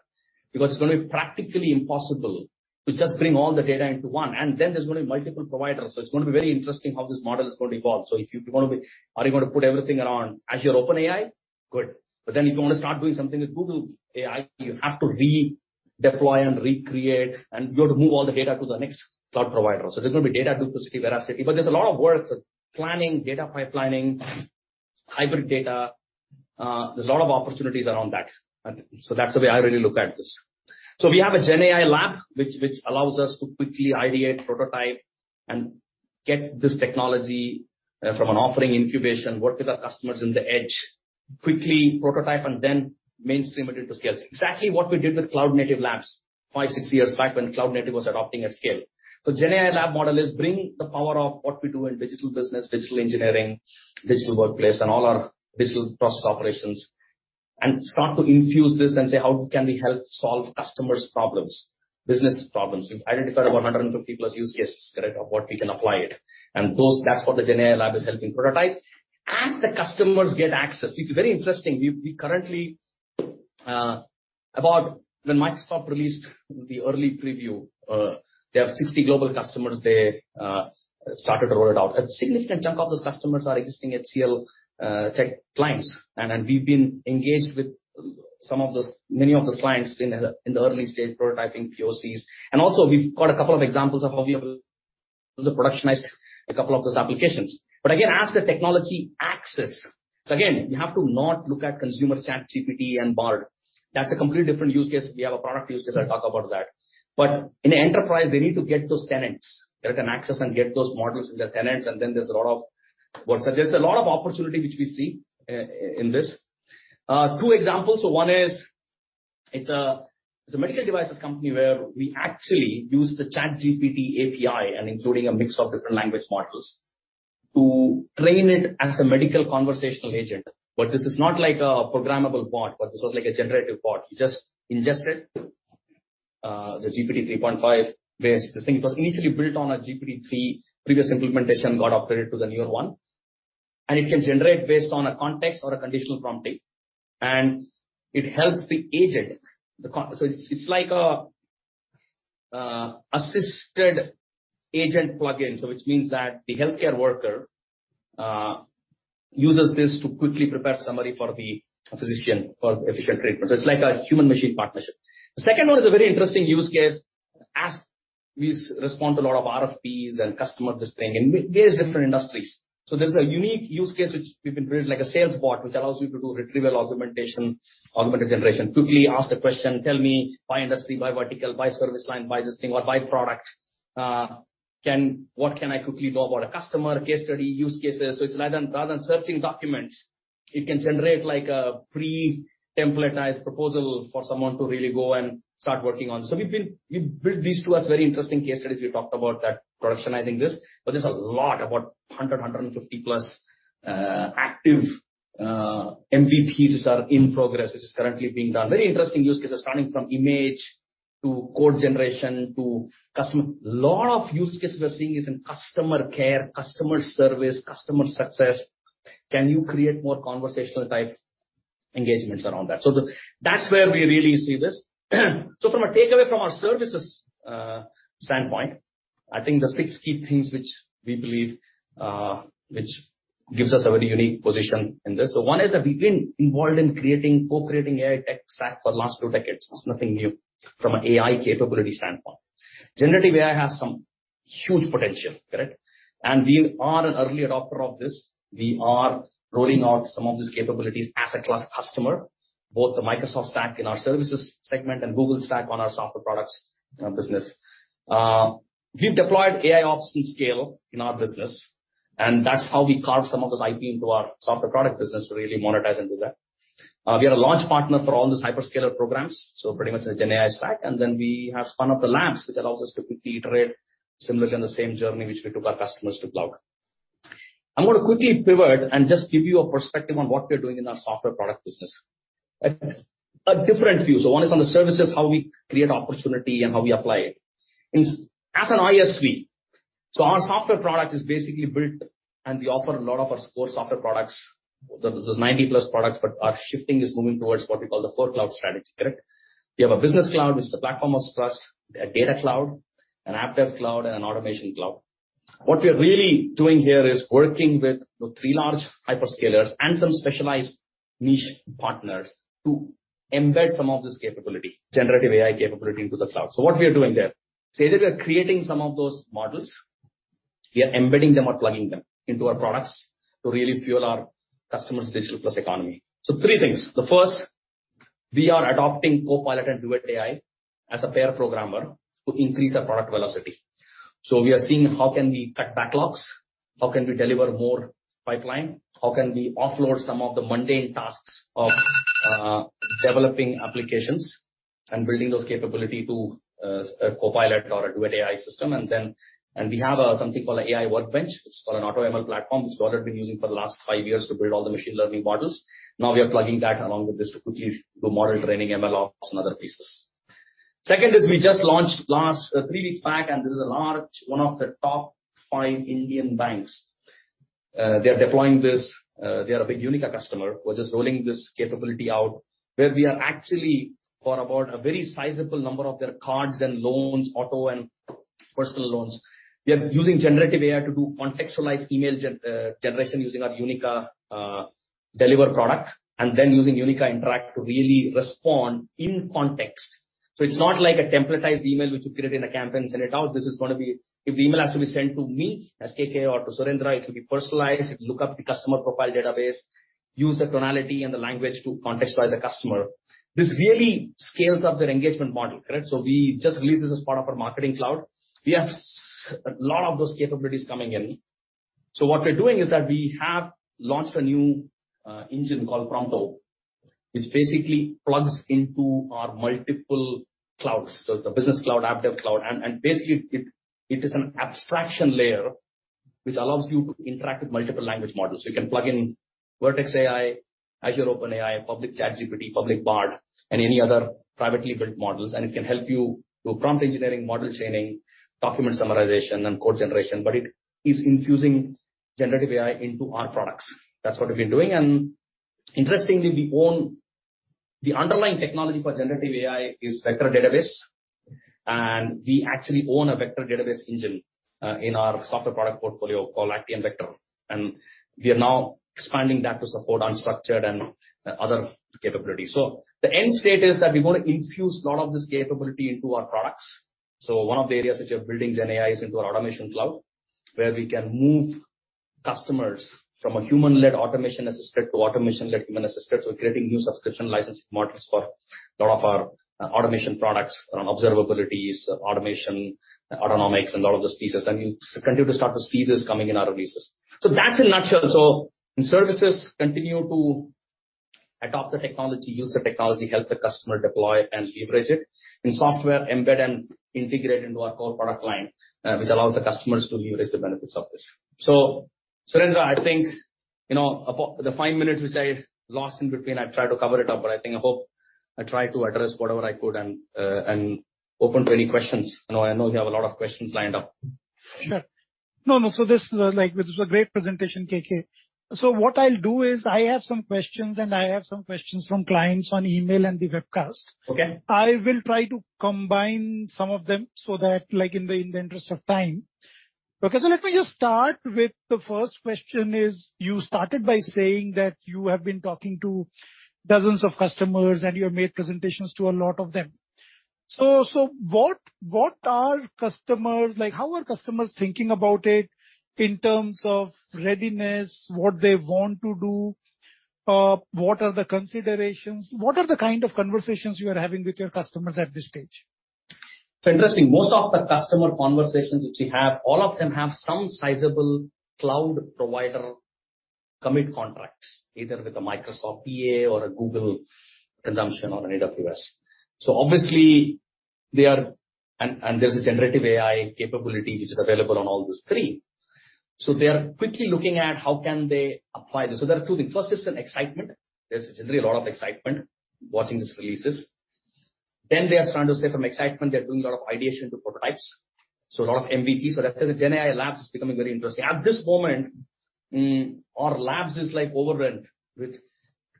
Because it's going to be practically impossible to just bring all the data into one. There are going to be multiple providers. It is going to be very interesting how this model is going to evolve. If you're going to be, are you going to put everything around Azure OpenAI? Good. If you want to start doing something with Google AI, you have to redeploy and recreate, and you have to move all the data to the next cloud provider. There is going to be data duplicity, veracity, but there is a lot of work, planning, data pipelining, hybrid data. There are a lot of opportunities around that. That is the way I really look at this. We have a GenAI lab which allows us to quickly ideate, prototype, and get this technology from an offering incubation, work with our customers in the edge, quickly prototype and then mainstream it into scale. It is actually what we did with Cloud Native Labs five, six years back when Cloud Native was adopting at scale. GenAI lab model is bring the power of what we do in digital business, digital engineering, digital workplace, and all our digital process operations, and start to infuse this and say, how can we help solve customers' problems, business problems? We've identified about 150 plus use cases, correct, of what we can apply it. That's what the GenAI lab is helping prototype. As the customers get access, it's very interesting. We currently, about when Microsoft released the early preview, they have 60 global customers, they started to roll it out. A significant chunk of those customers are existing HCLTech clients. We've been engaged with some of the, many of the clients in the early stage prototyping POCs. Also we've got a couple of examples of how we will use the productionized a couple of those applications. Again, as the technology access, again, you have to not look at consumer ChatGPT and Bard. That is a completely different use case. We have a product use because I talked about that. In an enterprise, they need to get those tenants. They can access and get those models in their tenants. There is a lot of work. There is a lot of opportunity which we see in this. Two examples. One is it is a medical devices company where we actually use the ChatGPT API and including a mix of different language models to train it as a medical conversational agent. This is not like a programmable bot, but this was like a generative bot. You just ingested it, the GPT-3.5 base. This thing was initially built on a GPT-3, previous implementation got upgraded to the newer one. It can generate based on a context or a conditional prompting. It helps the agent. It is like an assisted agent plugin, which means that the healthcare worker uses this to quickly prepare a summary for the physician for efficient treatment. It is like a human-machine partnership. The second one is a very interesting use case. We respond to a lot of RFPs and customer requests in various different industries. There is a unique use case which we have created, like a sales bot, which allows you to do retrieval augmentation, augmented generation. Quickly ask the question, tell me by industry, by vertical, by service line, by product. What can I quickly know about a customer case study use cases? Rather than searching documents, it can generate a pre-templatized proposal for someone to really go and start working on. We have built these two as very interesting case studies. We have talked about that, productionizing this. There are about 100 to 150 plus active MVPs which are in progress, which is currently being done. Very interesting use cases starting from image to code generation to customer. A lot of use cases we are seeing is in customer care, customer service, customer success. Can you create more conversational type engagements around that? That is where we really see this. From a takeaway from our services standpoint, I think the six key things which we believe, which gives us a very unique position in this. One is that we have been involved in creating, co-creating AI tech stack for the last two decades. It is nothing new from an AI capability standpoint. Generative AI has some huge potential, correct? We are an early adopter of this. We are rolling out some of these capabilities as a class customer, both the Microsoft stack in our services segment and Google stack on our software products and business. We've deployed AIOps in scale in our business. That is how we carved some of this IP into our software product business to really monetize and do that. We are a launch partner for all these hyperscaler programs, so pretty much in the GenAI stack. We have spun up the labs, which allows us to quickly iterate similar to the same journey which we took our customers to Cloud. I'm going to quickly pivot and just give you a perspective on what we're doing in our software product business. A different view. One is on the services, how we create opportunity and how we apply it. As an ISV, our software product is basically built. We offer a lot of our core software products. There are 90 plus products, but our shifting is moving towards what we call the four cloud strategy, correct? We have a business cloud, which is a platform of trust, a data cloud, an app dev cloud, and an automation cloud. What we are really doing here is working with three large hyperscalers and some specialized niche partners to embed some of this capability, generative AI capability into the cloud. What we are doing there, say that we are creating some of those models, we are embedding them or plugging them into our products to really fuel our customers' digital plus economy. Three things. The first, we are adopting Copilot and Duet AI as a pair programmer to increase our product velocity. We are seeing how can we cut backlogs, how can we deliver more pipeline, how can we offload some of the mundane tasks of developing applications and building those capabilities to a Copilot or a Duet AI system. Then we have something called an AI Workbench, which is called an AutoML platform. It's what we've been using for the last five years to build all the machine learning models. Now we are plugging that along with this to quickly do model training, MLOps, and other pieces. Second is we just launched last three weeks back, and this is a large, one of the top five Indian banks. They are deploying this. They are a big Unica customer. We're just rolling this capability out where we are actually for about a very sizable number of their cards and loans, auto and personal loans. We are using generative AI to do contextualized email generation using our Unica Deliver product and then using Unica Interact to really respond in context. It is not like a templatized email which you create in the camp and send it out. This is going to be, if the email has to be sent to me, as KK or to Surendra, it will be personalized. It will look up the customer profile database, use the tonality and the language to contextualize a customer. This really scales up their engagement model, correct? We just released this as part of our marketing cloud. We have a lot of those capabilities coming in. What we are doing is that we have launched a new engine called PromptO, which basically plugs into our multiple clouds. The business cloud, app dev cloud, and basically it is an abstraction layer which allows you to interact with multiple language models. You can plug in Vertex AI, Azure OpenAI, public ChatGPT, public Bard, and any other privately built models. It can help you do prompt engineering, model training, document summarization, and code generation. It is infusing generative AI into our products. That's what we've been doing. Interestingly, we own the underlying technology for generative AI, which is vector database. We actually own a vector database engine in our software product portfolio called Actian Vector. We are now expanding that to support unstructured and other capabilities. The end state is that we're going to infuse a lot of this capability into our products. One of the areas which we are building GenAI is into our automation cloud, where we can move customers from a human-led automation assistant to automation-led human assistant. Creating new subscription licensing models for a lot of our automation products around observabilities, automation, autonomics, and a lot of those pieces. You continue to start to see this coming in our releases. That is in a nutshell. In services, continue to adopt the technology, use the technology, help the customer deploy and leverage it. In software, embed and integrate into our core product line, which allows the customers to leverage the benefits of this. Surendra, I think you know the five minutes which I lost in between, I tried to cover it up, but I think I hope I tried to address whatever I could and open to any questions. I know you have a lot of questions lined up. No, no. This is a great presentation, KK. What I'll do is I have some questions and I have some questions from clients on email and the webcast. I will try to combine some of them in the interest of time. Let me just start with the first question. You started by saying that you have been talking to dozens of customers and you have made presentations to a lot of them. What are customers, like how are customers thinking about it in terms of readiness, what they want to do, what are the considerations, what are the kind of conversations you are having with your customers at this stage? Interesting. Most of the customer conversations which we have, all of them have some sizable cloud provider commit contracts, either with a Microsoft EA or a Google consumption or an AWS. Obviously, they are, and there is a generative AI capability which is available on all these three. They are quickly looking at how can they apply this. There are two things. First is an excitement. There is generally a lot of excitement watching these releases. They are starting to say from excitement, they are doing a lot of ideation to prototypes. A lot of MVPs. The GenAI labs is becoming very interesting. At this moment, our labs is overwhelmed with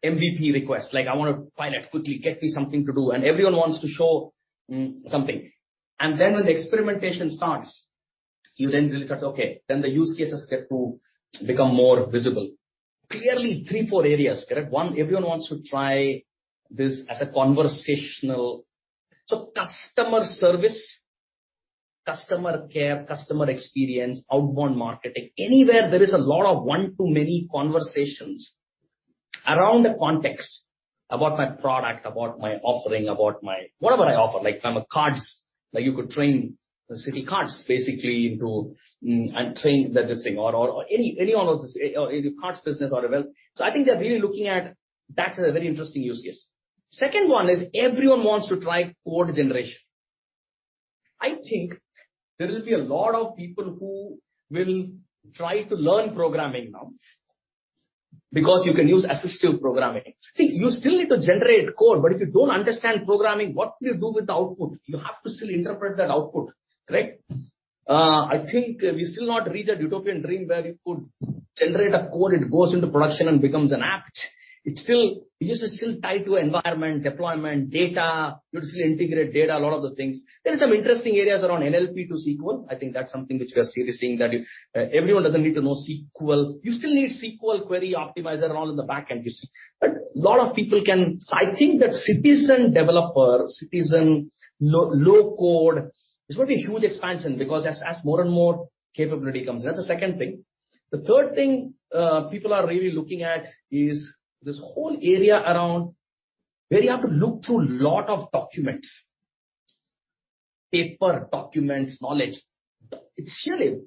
MVP requests. Like I want to pilot quickly, get me something to do. Everyone wants to show something. When the experimentation starts, you then really start, okay, then the use cases get to become more visible. Clearly three, four areas, correct? One, everyone wants to try this as a conversational. Customer service, customer care, customer experience, outbound marketing, anywhere there is a lot of one-to-many conversations around the context about my product, about my offering, about my whatever I offer. Like if I'm a cards, like you could train the Citi cards basically into and train this thing or any one of the cards business or develop. I think they're really looking at that's a very interesting use case. Second one is everyone wants to try code generation. I think there will be a lot of people who will try to learn programming now because you can use assistive programming. See, you still need to generate code, but if you do not understand programming, what do you do with the output? You have to still interpret that output, correct? I think we still have not reached a utopian dream where you could generate a code, it goes into production and becomes an app. It is still tied to an environment, deployment, data, you would still integrate data, a lot of the things. There are some interesting areas around NLP to SQL. I think that is something which we are seriously seeing that everyone does not need to know SQL. You still need SQL query optimizer and all in the backend. A lot of people can. I think that citizen developer, citizen low code is going to be a huge expansion because as more and more capability comes. That is the second thing. The third thing people are really looking at is this whole area around where you have to look through a lot of documents. Paper documents, knowledge. It's really a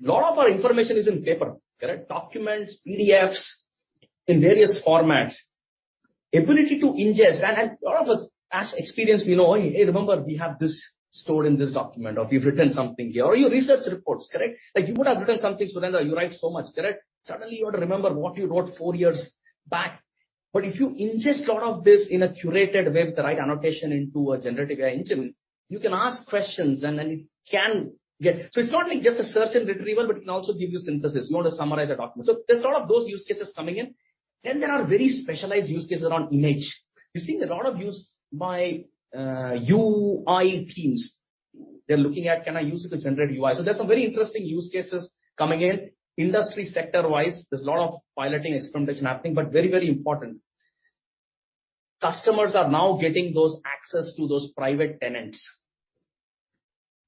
lot of our information is in paper, correct? Documents, PDFs in various formats, ability to ingest. And a lot of us, as experienced, we know, hey, remember we have this stored in this document or we've written something here or you research reports, correct? Like you would have written something, Surendra, you write so much, correct? Suddenly you want to remember what you wrote four years back. If you ingest a lot of this in a curated way with the right annotation into a generative AI engine, you can ask questions and then it can get. It's not like just a search and retrieval, but it can also give you synthesis, you want to summarize a document. There is a lot of those use cases coming in. There are very specialized use cases around image. You have seen a lot of use by UI teams. They are looking at, can I use it to generate UI? There are some very interesting use cases coming in industry sector-wise. There is a lot of piloting, experimentation, and everything, but very, very important. Customers are now getting access to those private tenants.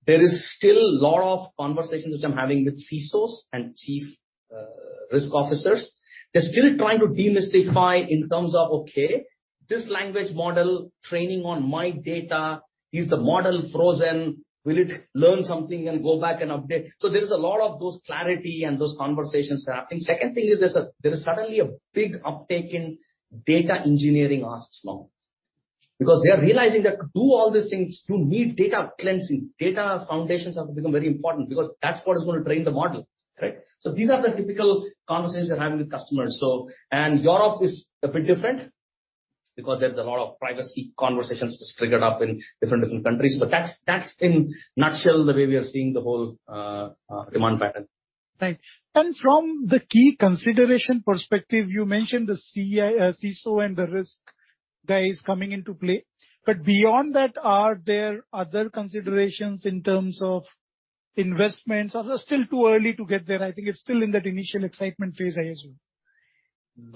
There is still a lot of conversations which I am having with CSOs and chief risk officers. They are still trying to demystify in terms of, okay, this language model training on my data, is the model frozen? Will it learn something and go back and update? There is a lot of that clarity and those conversations happening. Second thing is there's a, there is suddenly a big uptake in data engineering as of now. Because they are realizing that to do all these things, you need data cleansing. Data foundations have become very important because that's what is going to train the model, right? These are the typical conversations we're having with customers. Europe is a bit different because there's a lot of privacy conversations just triggered up in different different countries. That's in a nutshell the way we are seeing the whole demand pattern. Right. From the key consideration perspective, you mentioned the CSO and the risk guys coming into play. Beyond that, are there other considerations in terms of investments? Or it's still too early to get there? I think it's still in that initial excitement phase, I assume.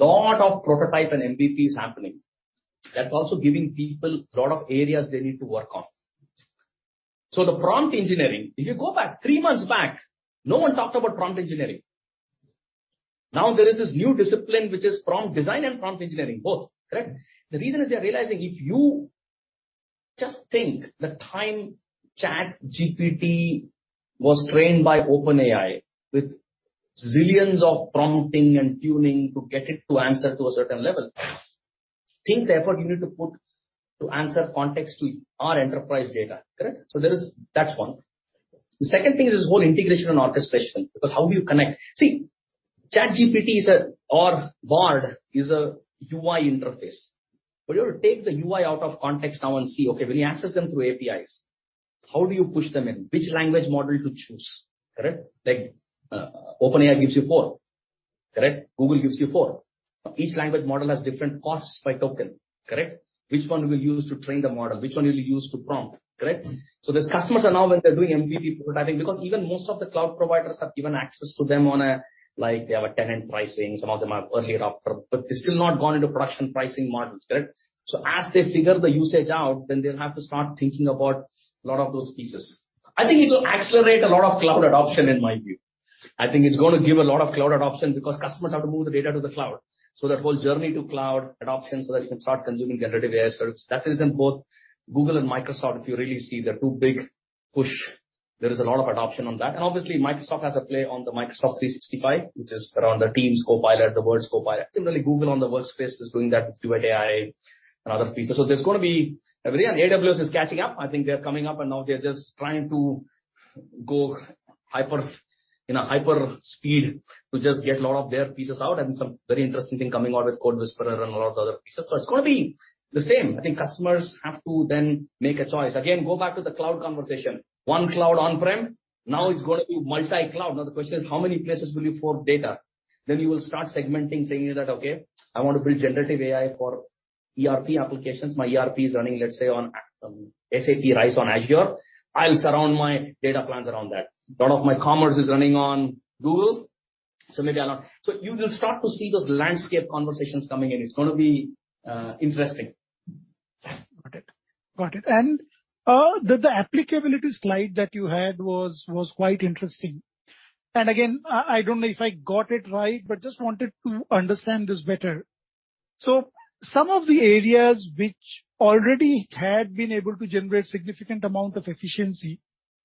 A lot of prototype and MVPs happening. That's also giving people a lot of areas they need to work on. The prompt engineering, if you go back three months back, no one talked about prompt engineering. Now there is this new discipline which is prompt design and prompt engineering both, correct? The reason is they're realizing if you just think the time ChatGPT was trained by OpenAI with zillions of prompting and tuning to get it to answer to a certain level, think the effort you need to put to answer context to our enterprise data, correct? That is one. The second thing is this whole integration and orchestration because how do you connect? See, ChatGPT is a, or Bard is a UI interface. You have to take the UI out of context now and see, okay, when you access them through APIs, how do you push them in? Which language model to choose, correct? Like OpenAI gives you four, correct? Google gives you four. Each language model has different costs by token, correct? Which one will you use to train the model? Which one will you use to prompt, correct? Customers are now, when they're doing MVP prototyping, because even most of the cloud providers have given access to them on a, like they have a tenant pricing, some of them are early adopter, but they've still not gone into production pricing models, correct? As they figure the usage out, they will have to start thinking about a lot of those pieces. I think it will accelerate a lot of cloud adoption in my view. I think it's going to give a lot of cloud adoption because customers have to move the data to the cloud. That whole journey to cloud adoption so that you can start consuming generative AI services, that is in both Google and Microsoft. If you really see the two big push, there is a lot of adoption on that. Obviously, Microsoft has a play on the Microsoft 365, which is around the Teams, Copilot, the Word, Copilot. Similarly, Google on the Workspace is doing that with Duet AI and other pieces. There is going to be everything. AWS is catching up. I think they're coming up and now they're just trying to go in a hyper speed to just get a lot of their pieces out. I mean, some very interesting thing coming out with CodeWhisperer and a lot of the other pieces. It's going to be the same. I think customers have to then make a choice. Again, go back to the cloud conversation. One cloud on-prem, now it's going to be multi-cloud. Now the question is how many places will you fork data? Then you will start segmenting, saying that, okay, I want to build generative AI for ERP applications. My ERP is running, let's say, on SAP RISE on Azure. I'll surround my data planes around that. A lot of my commerce is running on Google. You will start to see those landscape conversations coming in. It's going to be interesting. Got it. Got it. The applicability slide that you had was quite interesting. Again, I don't know if I got it right, but just wanted to understand this better. Some of the areas which already had been able to generate significant amount of efficiency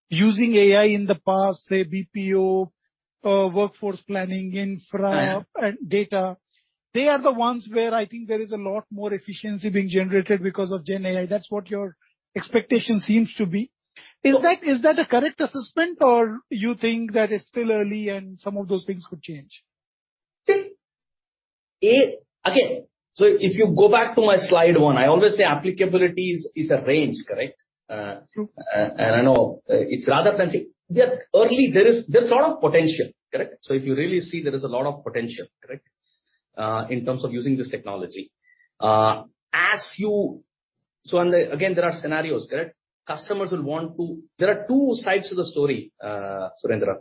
using AI in the past, say BPO, workforce planning, infra, and data, they are the ones where I think there is a lot more efficiency being generated because of GenAI. That's what your expectation seems to be. Is that a correct assessment or you think that it's still early and some of those things could change? Again, if you go back to my slide one, I always say applicability is a range, correct? I know it's rather fancy. Early, there is a lot of potential, correct? If you really see, there is a lot of potential, correct? In terms of using this technology. Again, there are scenarios, correct? Customers will want to, there are two sides to the story, Surendra.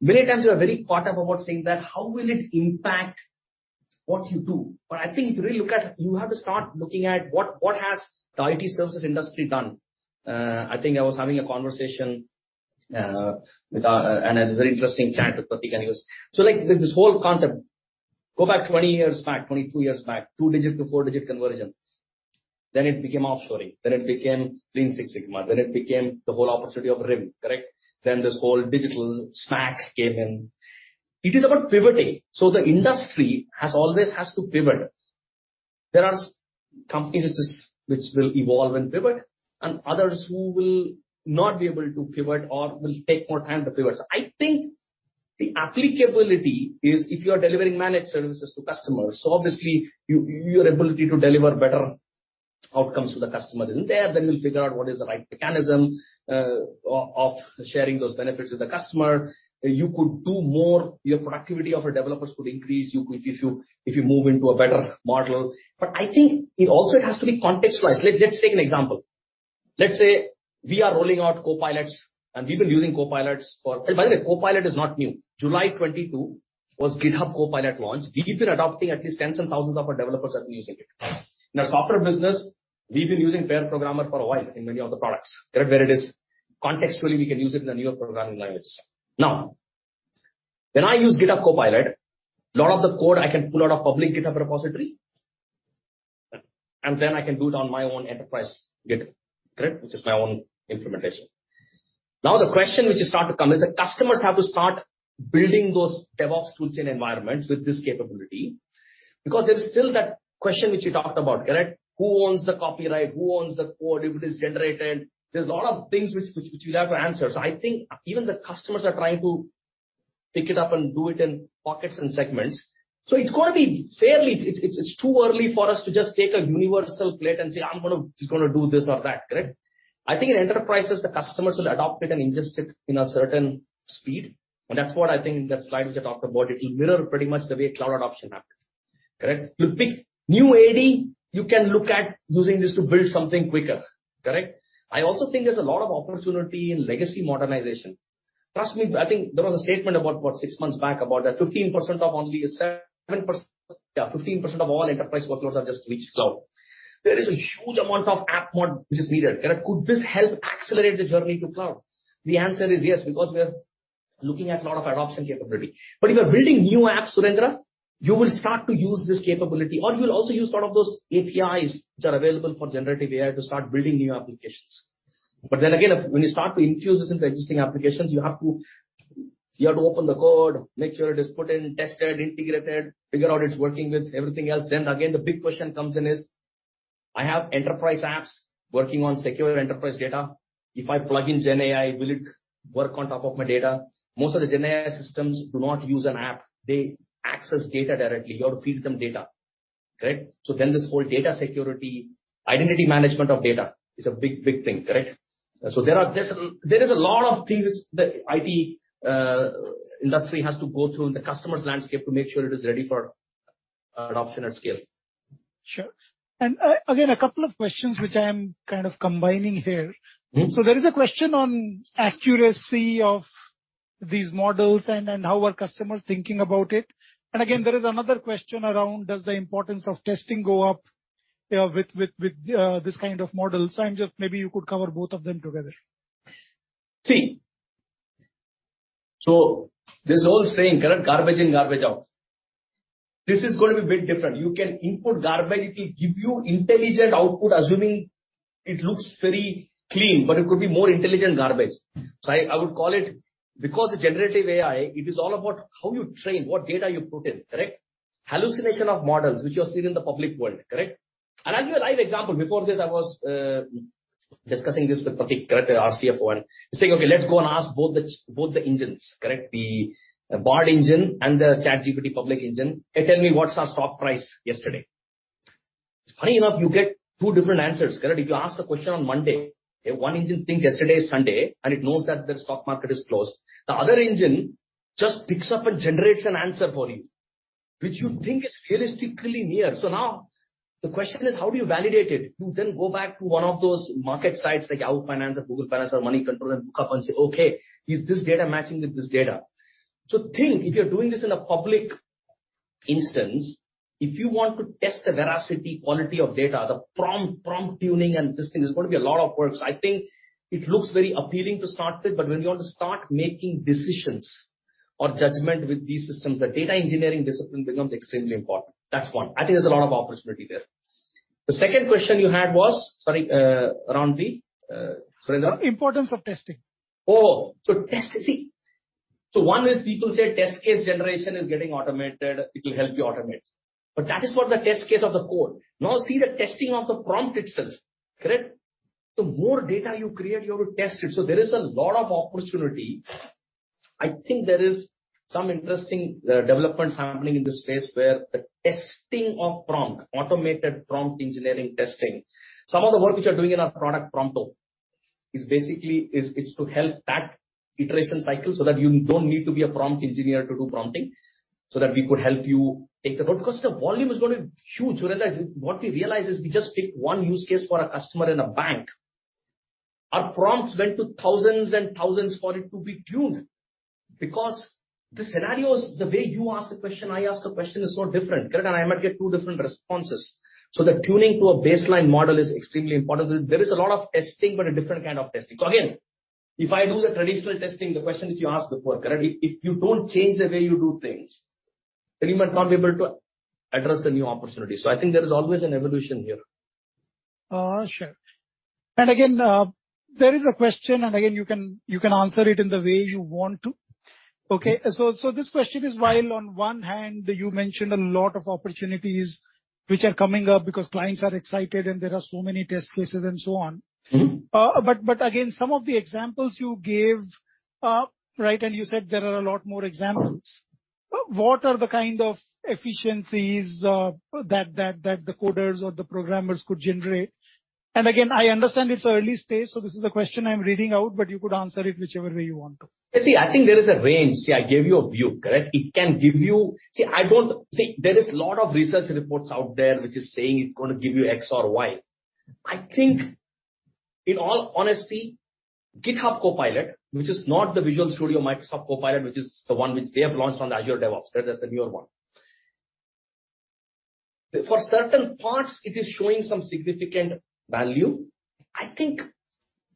Many times you are very caught up about saying that, how will it impact what you do? I think if you really look at, you have to start looking at what has the IT services industry done. I think I was having a conversation with, and a very interesting chat with Prateek and you. Like this whole concept, go back 20 years back, 22 years back, two-digit to four-digit conversion. It became offshoring. It became Lean Six Sigma. It became the whole opportunity of RIM, correct? This whole digital [inaudible] came in. It is about pivoting. The industry has always has to pivot. There are companies which will evolve and pivot and others who will not be able to pivot or will take more time to pivot. I think the applicability is if you are delivering managed services to customers, so obviously your ability to deliver better outcomes to the customer isn't there, then we'll figure out what is the right mechanism of sharing those benefits with the customer. You could do more, your productivity of a developer could increase if you move into a better model. I think it also has to be context-wise. Let's take an example. Let's say we are rolling out Copilots and we've been using Copilots for, by the way, Copilot is not new. July 2022 was GitHub Copilot launched. We've been adopting at least tens and thousands of our developers have been using it. In a software business, we've been using Pair Programmer for a while in many of the products, correct? Where it is contextually, we can use it in the newer programming languages. Now, when I use GitHub Copilot, a lot of the code I can pull out of public GitHub repository and then I can do it on my own enterprise GitHub, correct? Which is my own implementation. Now the question which has started to come is that customers have to start building those DevOps toolchain environments with this capability because there is still that question which you talked about, correct? Who owns the copyright? Who owns the code if it is generated? There's a lot of things which you have to answer. I think even the customers are trying to pick it up and do it in pockets and segments. It's going to be fairly, it's too early for us to just take a universal plate and say, I'm going to do this or that, correct? I think in enterprises, the customers will adopt it and ingest it in a certain speed. That is what I think in that slide which I talked about, it will mirror pretty much the way cloud adoption happened, correct? With big new app dev, you can look at using this to build something quicker, correct? I also think there is a lot of opportunity in legacy modernization. Trust me, I think there was a statement about what, six months back about that 15% of only a 7%, yeah, 15% of all enterprise workloads have just reached cloud. There is a huge amount of app mod which is needed, correct? Could this help accelerate the journey to cloud? The answer is yes because we are looking at a lot of adoption capability. If you're building new apps, Surendra, you will start to use this capability or you'll also use a lot of those APIs which are available for generative AI to start building new applications. When you start to infuse this into existing applications, you have to open the code, make sure it is put in, tested, integrated, figure out it's working with everything else. The big question comes in is, I have enterprise apps working on secure enterprise data. If I plug in GenAI, will it work on top of my data? Most of the GenAI systems do not use an app. They access data directly. You have to feed them data, correct? This whole data security, identity management of data is a big, big thing, correct? There are a lot of things the IT industry has to go through in the customer's landscape to make sure it is ready for adoption at scale. Sure. Again, a couple of questions which I am kind of combining here. There is a question on accuracy of these models and how are customers thinking about it. Again, there is another question around, does the importance of testing go up with this kind of model? I'm just, maybe you could cover both of them together. See, there's an old saying, correct? Garbage in, garbage out. This is going to be a bit different. You can input garbage, it will give you intelligent output, assuming it looks very clean, but it could be more intelligent garbage, right? I would call it, because the generative AI, it is all about how you train, what data you put in, correct? Hallucination of models which you are seeing in the public world, correct? I'll give you a live example. Before this, I was discussing this with Prateek, correct? Our CFO, saying, okay, let's go and ask both the engines, correct? The Bard engine and the ChatGPT public engine. They tell me what's our stock price yesterday. It's funny enough, you get two different answers, correct? If you ask a question on Monday, one engine thinks yesterday is Sunday and it knows that the stock market is closed. The other engine just picks up and generates an answer for you, which you think is theoristically near. Now the question is, how do you validate it? You then go back to one of those market sites like Yahoo Finance or Google Finance or Moneycontrol and look up and say, okay, is this data matching with this data? Think if you're doing this in a public instance, if you want to test the veracity, quality of data, the prompt, prompt tuning and this thing is going to be a lot of work. I think it looks very appealing to start with, but when you want to start making decisions or judgment with these systems, the data engineering discipline becomes extremely important. That's one. I think there's a lot of opportunity there. The second question you had was, sorry, Ranvi, Surendra? Importance of testing. Oh, testing, see. One is people say test case generation is getting automated. It will help you automate. That is for the test case of the code. Now see the testing of the prompt itself, correct? The more data you create, you have to test it. There is a lot of opportunity. I think there are some interesting developments happening in this space where the testing of prompt, automated prompt engineering testing, some of the work which you are doing in our product PromptO. It is basically, it's to help that iteration cycle so that you do not need to be a prompt engineer to do prompting so that we could help you take the road. Because the volume is going to be huge, Surendra. What we realize is we just pick one use case for a customer in a bank. Our prompts went to thousands and thousands for it to be tuned because the scenarios, the way you ask a question, I ask a question is so different, correct? I might get two different responses. The tuning to a baseline model is extremely important. There is a lot of testing, but a different kind of testing. Again, if I do the traditional testing, the question that you asked before, correct? If you do not change the way you do things, then you might not be able to address the new opportunity. I think there is always an evolution here. Sure. Again, there is a question, and you can answer it in the way you want to. Okay. This question is, while on one hand, you mentioned a lot of opportunities which are coming up because clients are excited and there are so many test cases and so on. Again, some of the examples you gave, right? You said there are a lot more examples. What are the kind of efficiencies that the coders or the programmers could generate? I understand it's early stage, so this is the question I'm reading out, but you could answer it whichever way you want to. See, I think there is a range. See, I gave you a view, correct? It can give you, see, I don't, see, there is a lot of research reports out there which is saying it's going to give you X or Y. I think in all honesty, GitHub Copilot, which is not the Visual Studio Microsoft Copilot, which is the one which they have launched on Azure DevOps, that's a newer one. For certain parts, it is showing some significant value. I think,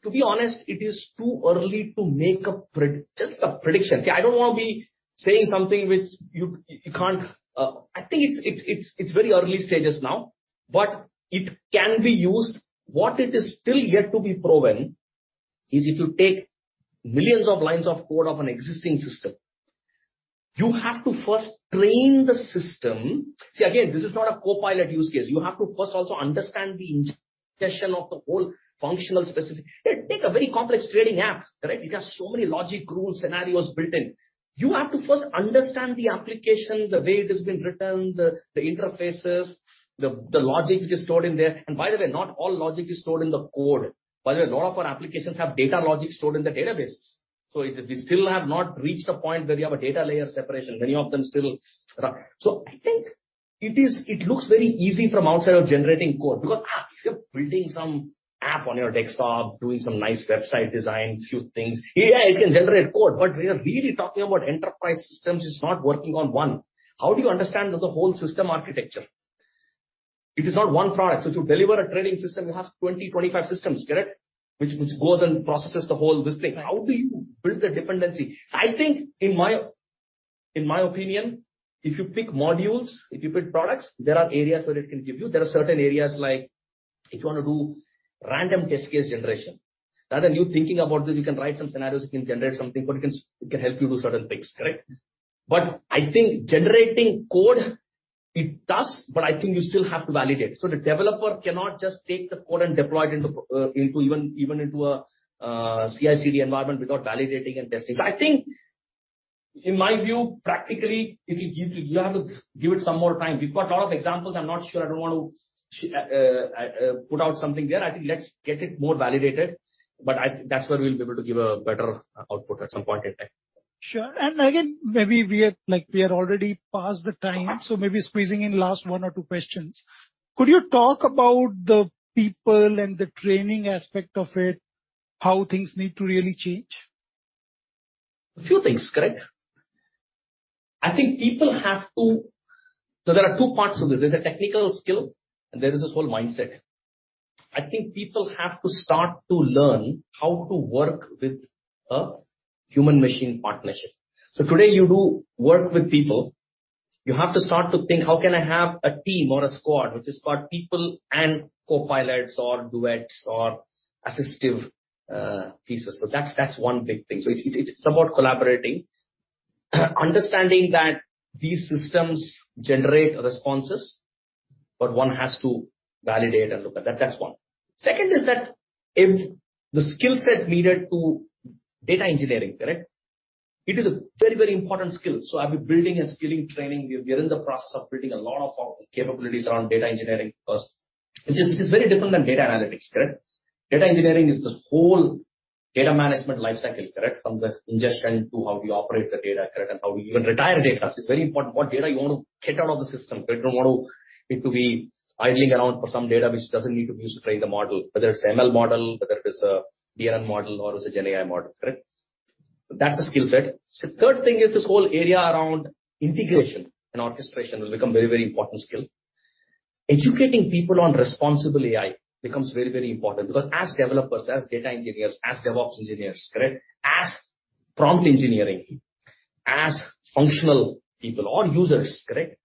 to be honest, it is too early to make a prediction, just a prediction. See, I don't want to be saying something which you can't, I think it's very early stages now, but it can be used. What is still yet to be proven is if you take millions of lines of code of an existing system, you have to first train the system. See, again, this is not a Copilot use case. You have to first also understand the question of the whole functional specific. Take a very complex trading app, correct? It has so many logic rules, scenarios built in. You have to first understand the application, the way it has been written, the interfaces, the logic which is stored in there. By the way, not all logic is stored in the code. By the way, a lot of our applications have data logic stored in the database. We still have not reached a point where we have a data layer separation. Many of them still, I think it looks very easy from outside of generating code because you're building some app on your desktop, doing some nice website design, a few things. Yeah, it can generate code, but we are really talking about enterprise systems. It's not working on one. How do you understand the whole system architecture? If it's not one product, if you deliver a trading system, you have 20 to 25 systems, correct? Which goes and processes the whole whisper. How do you build the dependency? I think, in my opinion, if you pick modules, if you pick products, there are areas where it can give you. There are certain areas like if you want to do random test case generation, rather than you thinking about this, you can write some scenarios, you can generate something, but it can help you do certain things, correct? I think generating code, it does, but I think you still have to validate. The developer cannot just take the code and deploy it even into a CI/CD environment without validating and testing. I think in my view, practically, if you have to give it some more time, we've got a lot of examples. I'm not sure. I don't want to put out something there. I think let's get it more validated, but that's where we'll be able to give a better output at some point. Sure. Again, maybe we are already past the time. Maybe squeezing in last one or two questions. Could you talk about the people and the training aspect of it, how things need to really change? A few things, correct? I think people have to, so there are two parts of this. There's a technical skill and there is this whole mindset. I think people have to start to learn how to work with a human-machine partnership. Today you do work with people, you have to start to think, how can I have a team or a squad which is called people and copilots or duets or assistive pieces? That's one big thing. It's about collaborating. Understanding that these systems generate responses, but one has to validate and look at that. That's one. Second is that if the skill set needed to data engineering, correct? It is a very, very important skill. Are we building a skilling training? We are in the process of building a lot of capabilities around data engineering. It is very different than data analytics, correct? Data engineering is the whole data management lifecycle, correct? From the ingestion to how we operate the data, correct? And how we even retire data. It's very important what data you want to get out of the system. You don't want to be idling around for some data which doesn't need to be used to train the model, whether it's ML model, whether it's a DNN model or it's a GenAI model, correct? That's a skill set. The third thing is this whole area around integration and orchestration will become a very, very important skill. Educating people on responsible AI becomes very, very important because as developers, as data engineers, as DevOps engineers, correct? As prompt engineering, as functional people or users, correct?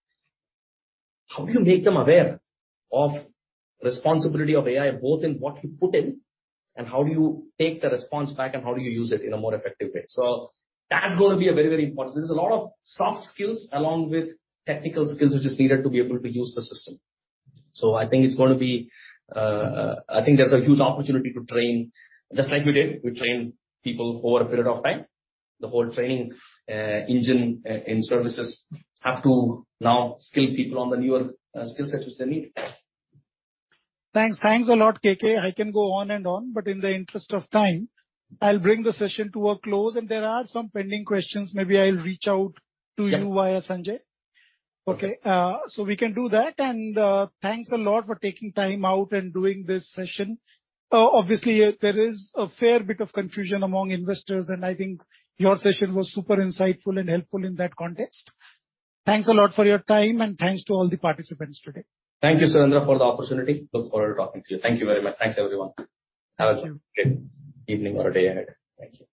How do you make them aware of the responsibility of AI, both in what you put in and how do you take the response back and how do you use it in a more effective way? That's going to be very, very important. There's a lot of soft skills along with technical skills which are needed to be able to use the system. I think there's a huge opportunity to train, just like we did, we train people over a period of time. The whole training engine in services has to now skill people on the newer skill sets which they need. Thanks. Thanks a lot, KK. I can go on and on, but in the interest of time, I'll bring the session to a close. There are some pending questions. Maybe I'll reach out to you, via Sanjay. Okay. We can do that. Thanks a lot for taking time out and doing this session. Obviously, there is a fair bit of confusion among investors, and I think your session was super insightful and helpful in that context. Thanks a lot for your time, and thanks to all the participants today. Thank you, Surendra, for the opportunity. Look forward to talking to you. Thank you very much. Thanks, everyone. Have a great evening or a day ahead. Thank you.